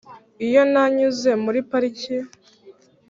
iyo nanyuze muri parike